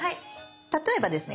例えばですね